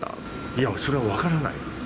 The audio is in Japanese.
いや、それは分からないです。